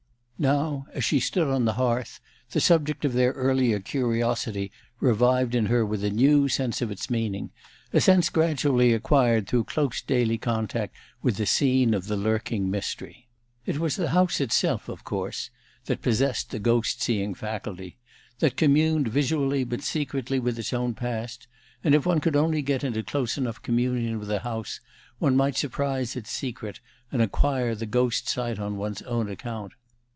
Now, as she stood on the hearth, the subject of their earlier curiosity revived in her with a new sense of its meaning a sense gradually acquired through close daily contact with the scene of the lurking mystery. It was the house itself, of course, that possessed the ghost seeing faculty, that communed visually but secretly with its own past; and if one could only get into close enough communion with the house, one might surprise its secret, and acquire the ghost sight on one's own account.